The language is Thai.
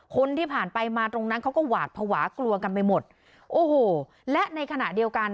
คนที่ผ่านไปมาตรงนั้นเขาก็หวาดภาวะกลัวกันไปหมดโอ้โหและในขณะเดียวกัน